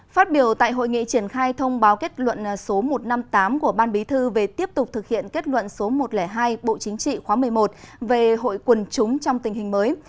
phát biểu tại hội nghị triển khai thông báo kết luận số một trăm năm mươi tám của ban bí thư về tiếp tục thực hiện kết luận số một trăm linh hai bộ chính trị khóa một mươi một về hội quần chúng trong tình hình mới